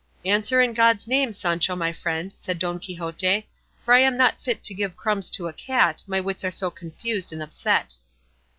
"Answer in God's name, Sancho my friend," said Don Quixote, "for I am not fit to give crumbs to a cat, my wits are so confused and upset."